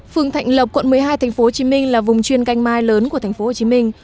phường thạnh lộc quận một mươi hai thành phố hồ chí minh là vùng chuyên canh mai lớn của thành phố hồ chí minh